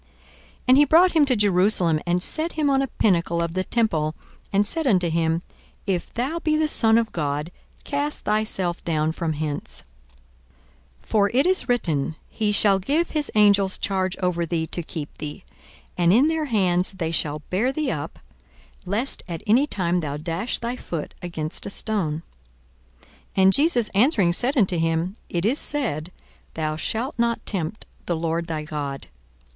42:004:009 And he brought him to Jerusalem, and set him on a pinnacle of the temple, and said unto him, If thou be the Son of God, cast thyself down from hence: 42:004:010 For it is written, He shall give his angels charge over thee, to keep thee: 42:004:011 And in their hands they shall bear thee up, lest at any time thou dash thy foot against a stone. 42:004:012 And Jesus answering said unto him, It is said, Thou shalt not tempt the Lord thy God.